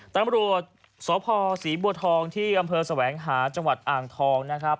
ตังค์อังกฤษสพสีบัวทองที่กำเภอสวังหาจังหวัดอ่างทองนะครับ